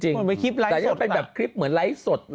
เหมือนเป็นคลิปไลก์สดแต่นี่ก็เป็นแบบคลิปเหมือนไลก์สด